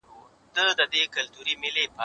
هغه څوک چي فکر کوي هوښيار وي